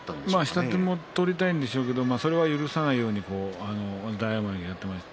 下手も取りたいんですけれどそれを許さないように大奄美がやっていました。